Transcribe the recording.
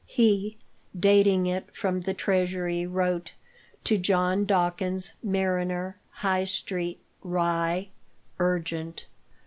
He, dating it from the Treasury, wrote: To John Dawkins, Mariner, High Street, Rye. Urgent.